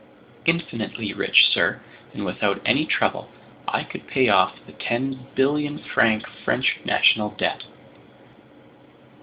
"Infinitely rich, sir, and without any trouble, I could pay off the ten billion franc French national debt!"